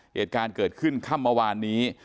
เหตุการณ์เกิดขึ้นข้ามประวานนี้